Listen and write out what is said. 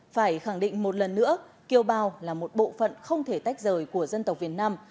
phải khẳng định một lần nữa kiểu bào là một bộ phận không thể tách rời của dân tộc việt nam